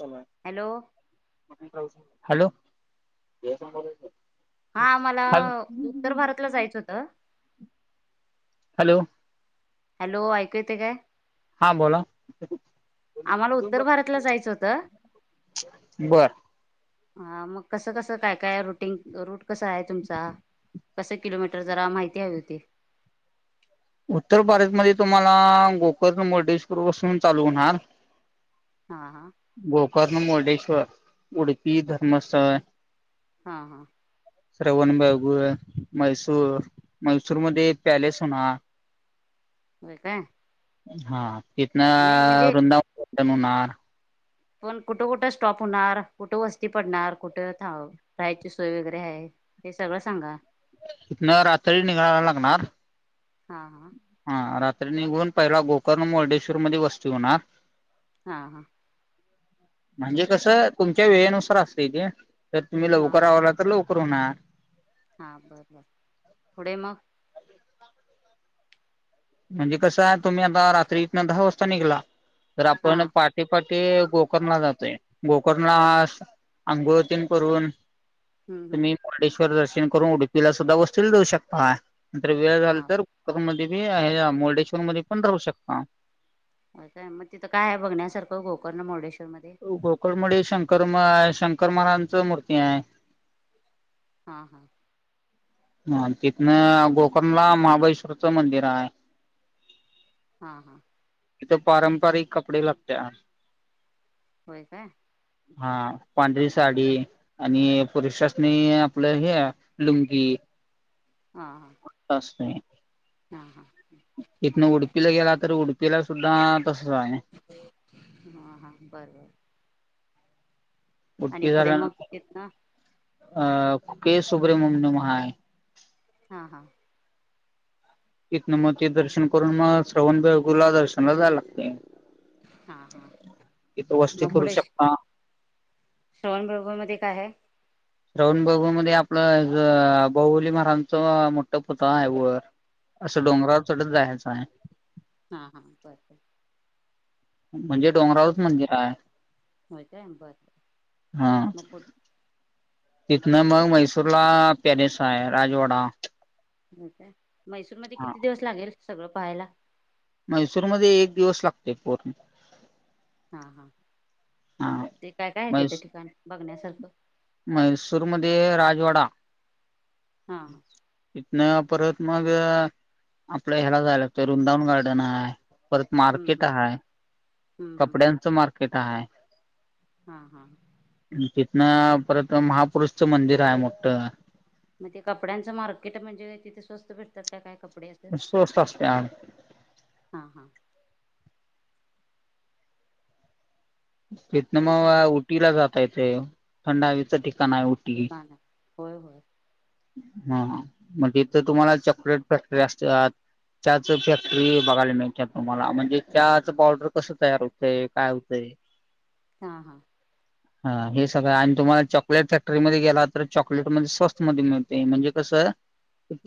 Hello. ह. हा आम्हाला उत्तर भारतला जायचं होतं हॅलो. हॅलो ऐकू येते काय? हा बोला. आम्हाला उत्तर भारतला जायचं होतं. बर हा मग कसं कसं काय काय रुटींग रूट कस आहे तुमचा कसं किलोमीटर जरा माहिती हवी होती. उत्तर भारतमध्ये तुम्हाला गोकर्ण मुर्डेश्वर पासून चालू होणार. हा हा गोकर्ण मुर्डेश्वर उडपी धर्मस्थळ हा हा. श्रवणबाग मैसूर मैसूर मध्ये पॅलेस होणार. हो काय? हा तिथना नाही म्हणजे वृंदावन होणार. पण कुठं कुठं स्टॉप होणार कुठं वस्ती पडणार कुठं राहायची सोय वगैरे आहे. ते सगळं सांगा. इथन रात्री निघायला लागणार. हा हा. हा रात्री निघून पहिला गोकर्ण मुर्डेश्वर मध्ये वस्ती होणार. हा हा. म्हणजे कसं तुमच्या वेळेनुसार असत ते जर तुम्ही हा हा लवकर हा बर आवला तर लवकर हो ना. हा बर बर पुढे मग म्हणजे कसं आहे तुम्ही आता रात्रीतन दहा वाजता निघला तर हा आपण पाटे ते गोकर्णला जातोय गोकर्णला अंगोळ तेन करून हम्म हम्म तुम्ही मुर्डेश्वर दर्शन करून उडुपीला सुद्धा वस्तीला जाऊ शकता. नंतर वेळ झाला हा तर मध्ये बी मुर्डेश्वर मध्ये पण राहू शकता. काय मग तिथं काय बघण्यासारखं गोकर्ण मुडेश्वर गोकण मध्ये शंकर म आहे शंकर महाराजच मूर्ती आहे. हा हा. ह तिथनं गोकर्णला महाबळेश्वरच मंदिर आहे हा हा तथ पारंपरिक कपडे लागते होय काय हा पांढरी साडी आणि पुरुषासनी आपलं हे लुंगी हा हा तय हा हा इथनं उडपीला गेला तर उडप ला सुद्धा तसच आहे. हा हा बरबर आणि उडपी पुढे मग झाल्यानंतर येत ना अ के सुब्रमण्य महाय हा हा तिथन मग ते दर्शन करून मग श्रवणबाेगूला दर्शनला जायला लागते हा हा इथो वस् मग करू पुढे शकता श्रवण बरोबर मध्ये काय आहे श्रवण बबू मध्ये आपलं बहुली महाराजच मोठ पुत आहे वर असं डोंगरावर थोढच जायचं आहे हा हा बरोबर म्हणजे डोंगराळच मंदिर आहे हो काय बर हा. मग पुढ तिथनं मग मैसूर ला पॅलेस आहे राजवाडा हो का मैसूर मध्ये किती दिवस लागेल सगळं पहायला मैसूरमध्येध्ये एक दिवस लागतेय पूर्ण हा हा हा ते काय काय आहे मै तिथं ठिकाण बघण्यासारखं म्हैसूरमध्येध्ये राजवाडा हा ् हा ह न परत मग आपलं ह्याला जायला लागतं वुंदावन गार्डन आहे परत हम्म मार्केट हम्म आहेा हम्म हम्म कपड्यांचं मार्केट आहे हा हा न परत महापुरुषचं मंदिर आहे मोठं मग ते कपड्यांचं मार्केट म्हणजे तिथे स्वस्त भेटतात का काय कपडे असं स्वस्त असत्या हा हा फेत ना आणि म काय काय उटीला जाता येत थंडा हवीच ठिका ठिकाण होय होय हा म्हणजेथ तुम्हाला चॉकलेट फॅक्टरी असतात त्याच फॅक्टरी बघायला नाही अच् तुम्हाला म्हणजे त्याच बॉर्डर कसं तयार होतंय काय होतंय हा हा हा हे सगळं आणि तुम्हाला चॉकलेट फॅक्टरीमध्येध्ये गेला तर चॉकलेटमध्येध्ये स्वस्त मध्ये मिळते म्हणजे कसं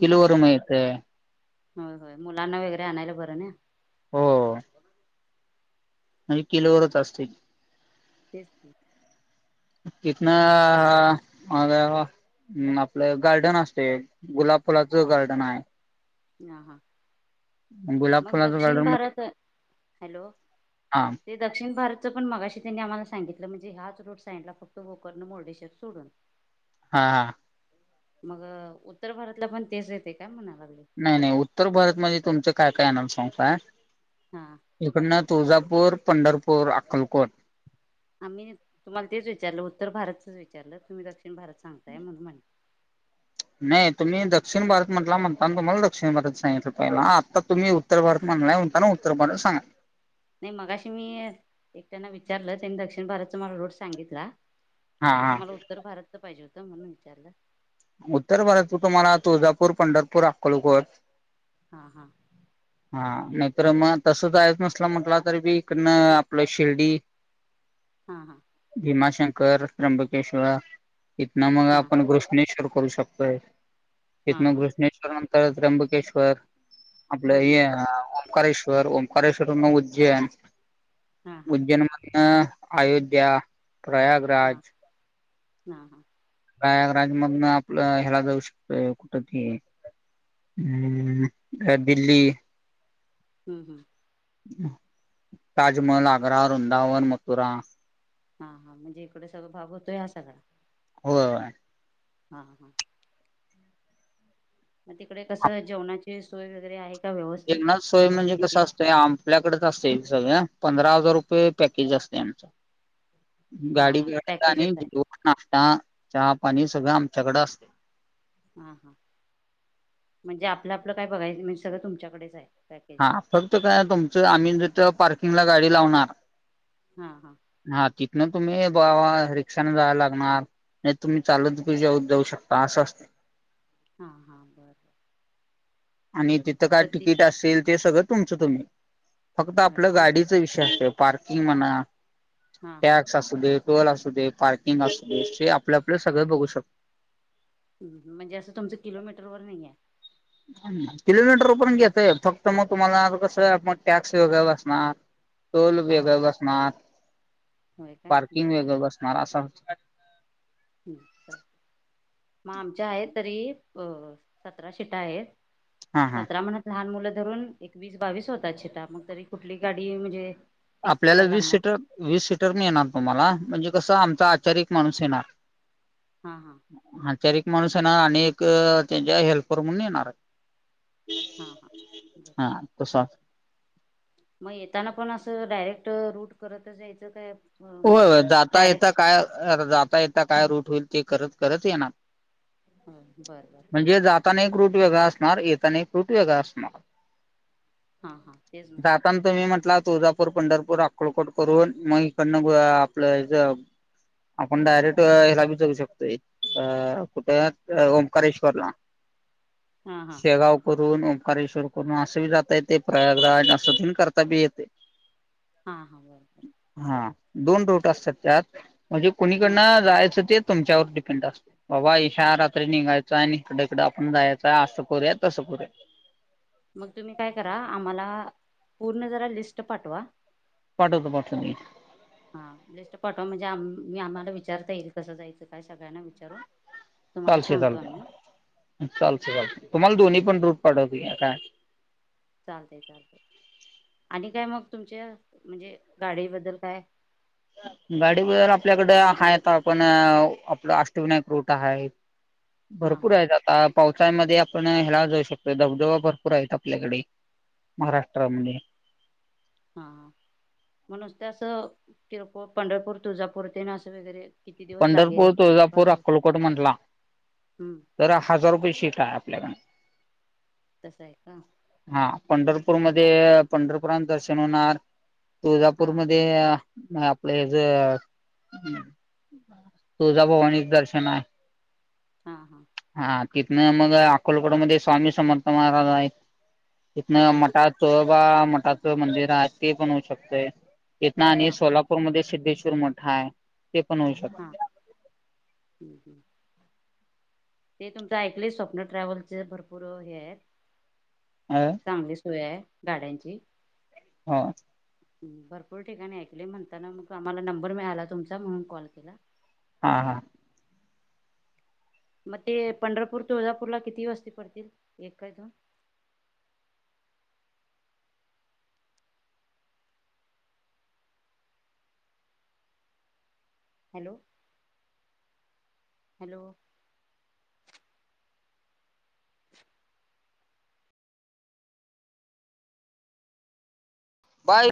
हम्म हम् मिळतय होय होय मुलांना वेगैरे आणायला बरं ना हो म्हणजे किलोवरच असते तेच कितना मग हम् आपलं गार्डन असते गुलाब फुलाच गार्डन आहे ह हा गुलाब मग फुलाचं गार्डन दक्षिण म्हणजे भारत हॅलो हा ते दक्षिण भारत पण मगाशी त्यांनी आम्हाला सांगितलं म्हणजे ह्याच रोड साईडला फक्त वोकरर्ण मुर्डेश्वर सोडून हा हा मग उत्तर भारतला पण तेच येते का म्हणाल नाही नाही उत्तर भारत मध्ये तुमचं काय काय आणनंद सांगताय हा. इकडनं तुळजापूर, पंढरपूर, अक्कलकोट आम्ही तुम्हाला तेच विचारलं उत्तर भारतचच विचारलं तुम्ही दक्षिण भारत सांगताय म्हणून म्हणल नाही तुम्ही दक्षिण भारत म्हटला म्हणताना तुम्हाला दक्षिण भारत सांगितलं पहिला आता तुम्ही उत्तर भारत म्हण नलाय म्हणताना उत्तर भारत सांग नाही मगशी मी त्याना विचारलं त्यांनी दक्षिण भारतच मला रोड सांगितला. हा आता हा मला उत्तर भारतच पाहिजे होतं म्हणून विचारलं. उत्तर भारतच तुम्हाला तुळजापूर, पंढरपूर, अक्कलकोट हा हा कुठे जायचं नसल म्हटलं तरी बी इकडनं आपलं शिर्डी हा हा भीमाशंकर, त्र्यंबकेश्वर इथन मग हा हा आपण घृष्णेश्वर करू शकतोय. हा इथन हा कृष्णेश्वर नंतर त्र्यंबकेश्वर आपलं हम्म हे हम्म ओंकारेश्वर, ओंकारेश्वरवरन उज्जैन हा हा उज्जैन मध्ये अ अयोध्या हा प्रयागराज हा हा प्रयाग्रराज मधन आपलं ह्याला जाऊ शकतो कुठ ते हम्म अ दिल्ली हम्म हम्म ताजमहल, आग्रा, वृंदावन, मथुरा हा हा म्हणजे इकडे सगळं भाग होतोय हा सगळा होय हा हा मग तिकडे कसं जेवणाची सोय वगैरे आहे. का व्यवस्थित जेवणा सोय म्हणजे कसं वस्तीची असतंय आपल्याकडेच असतय सगळं पंधरा हजार रुपये पॅकेज असतय आमचं हा गाडी हा भाड्याचं आणि पॅकेजच आहे [inaudible] नाष्टा चहा पाणी सगळं आमच्याकडें अस हा हा म्हणजे आपलं आपलं काय बघायचं म्हणजे सगळं तुमच्याकडेच आहे. पॅकेज हा फक्त काय तुमचं आम्ही जिथ पार्किंगला गाडी लावणार हा हा हा तिथनं तुम्ही बा रिक्षान जाय लागणार नाही तुम्ही चालत जाऊ जाऊ शकता असं असतय. हा हा बर आणि तिथं काय प्रति तिकीट असेल ते सगळं तुमचं तुम्ही फक्त होय आपलं का गाडीच विषय असतय पार्किंग म्हणा हा हा टॅक्स असू दे टोल असू दे, पार्किंग असू दे, ते आपलं आपलं सगळं बघू शक हम्म, म्हणजे असं तुमचं किलोमीटरवर नाही आहे किलोमीटरपण घेतय फक्त मग तुम्हाला कसं मग टॅक्स वगैरे बसणार टोल हा वेगळ बसणार होय काय पार्किंग बरं वेगळ बसणार असा ह् मग आमच्या आहेत तरी अ सतरा शिटा आहेत. हा हा सतरा म्हणत लहान मुलं धरून एकवीस बावीस होतात शिटा मग तरी कुठली गाडी म्हणजे फिक्स आपल्याला करायला वीस लागणार सीटर वीस सीटर मिळणार तुम्हाला म्हणजे कस आम आचारी एक माणूस येणार, हां हां आचारी एक माणूस त्याना आणि एक त्यांच्या हेल्पर म्हणून येणार हां हां हा तस म येताना पण असं डायरेक्ट रूट करतच यायचं काय? होय म्हणजे होय जाता डायरेक्ट येता काय जाता येता काय रूट होईल ते करत करत येणार बरं बरं म्हणजे जाताना एक रूट वेगळा अस णार येताना एक रूट वेगळा असणार हां हां तेच म्हणलं जाताना तुम्ही म्हटला तुळजापूर, पंढरपूर, अक्कोलकोट करून मग इकडनं ब अ आपलं ह्याज आपण डायरेक्ट ह्याला बी जाऊ शकतोय अ कुठे ओंकारेश्वरला हां हां शेगाव क तून ओंकारेश्वर करून असही जाता येते प्रयागराज असं करता बी येते हा, हा ह दोन रूट असतात त्यात म्हणजे हां कोणीकडन हां जायचं ते तुमच्यावर डिपेंड असते बाबा इशा रात्री निघायचं आणि इकडकडडे आपण जायचंय असं करूया तसं र मग तुम्ही काय करा आम्हाला पुर्ण जरा लिस्ट पाठवा पाठवतो, पाठवतो हा लिस्ट पाठवा म्हणजे आम्ही आम्हाला विचारता येईल कसं जायचं काय सगळ्यांना विचारून तुम्हाला चालतय, सांगतो चालतय आम्ही चालते, चालते तुम्हाला दोन्ही पण रूट पाठवतो घ्या काय चालतय चालतंय आणि काय मग तुमच्या म्हणजे गाडीबद्दल काय हं गाडी वगैरे आपल्याकडे आहेत पण आपलं अष्टविनायक रूट आहे हा भरपूर हा आहेत आता पावसाळ्यामध्ये आपण ह्याला जाऊ शकतो धबधबा भरपूर आहेत आपल्याकडे महाराष्ट्रामध्ये हा म्हणुसते असं किरकोळ पंढरपूर तुळजापूर ते ना असं वगैरे किती दिवस लागेल पंढरपूर, तुळजापूर, भाडं अक्कलकोट म्हटला हम्म तर हजार रुपये शीट आहे लगन तस आहे का पंढरपुर मध्ये पंढरपुरात दर्शन होणार हा तुळजापूरमध्ये आपल्या ह्याच तुळजाभवानी दर्शन आहे हा, हा इथंन मग अक्कलकोट मध्ये स्वामी समर्थ महाराज आहे इथन होय होय मठात मठाच मंदिर आहे ते पण होऊ शकते इथ ना आणि हा हा सोलापूरमध्ये सिद्धेश्वर मोठा आहे ते पण होऊ हा शकत हम्म, हम्म. ते तुमचं ऐकले स्वप्न ट्रॅव्हलचे भरपूर हे आहेत अ चांगली सोय आहे गाड्यांची हां भरपूर ठिकाणी ऐकले म्हणताना मग आम्हाला नंबर मिळाला तुमचा म्हणून कॉल केला हां, हां मग ते पंढरपूर तुळजापूरला किती वस्ती पडतील एक काय दोन [unintelligible] हॅलो, हॅलो [unintelligible] बाय.